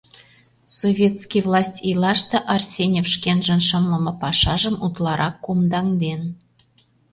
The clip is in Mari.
Советский власть ийлаште Арсеньев шкенжын шымлыме пашажым утларак кумдаҥден.